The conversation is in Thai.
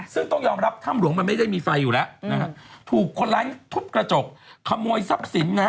ซึ่งต้องยอมรับถ้ำหลวงมันไม่ได้มีไฟอยู่แล้วนะฮะถูกคนร้ายทุบกระจกขโมยทรัพย์สินนะ